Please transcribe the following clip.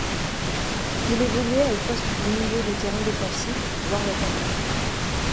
Il évoluait au poste de milieu de terrain défensif, voire d'attaquant.